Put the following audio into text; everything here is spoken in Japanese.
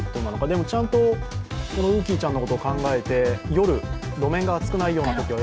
でも、ちゃんとうーきーちゃんのことを考えて、夜、路面が熱くないときを